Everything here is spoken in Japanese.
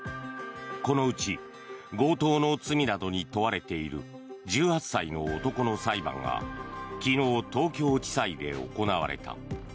このうち強盗の罪などに問われている１８歳の男の裁判が昨日、東京地裁で行われた。